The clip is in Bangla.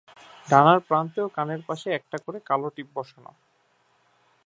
ডানার প্রান্তে ও কানের পাশে একটা করে কালো টিপ বসানো।